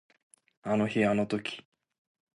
あの日あの時